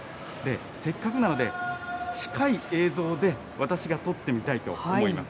せっかくなので、近い映像で私が撮ってみたいと思います。